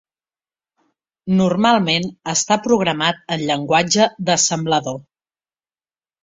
Normalment està programat en llenguatge d'assemblador.